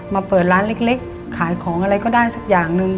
เปิดร้านเล็กขายของอะไรก็ได้สักอย่างหนึ่ง